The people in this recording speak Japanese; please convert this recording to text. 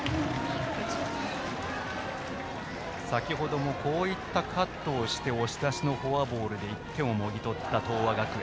先程もこういったカットをして押し出しのフォアボールで１点をもぎ取った東亜学園。